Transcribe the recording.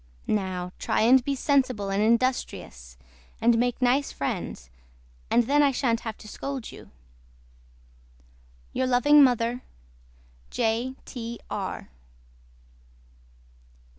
NOW TRY AND BE SENSIBLE AND INDUSTRIOUS AND MAKE NICE FRIENDS AND THEN I SHANT HAVE TO SCOLD YOU YOUR LOVING MOTHER J.T.R.